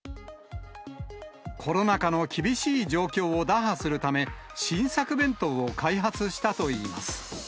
コロナ禍の厳しい状況を打破するため、新作弁当を開発したといいます。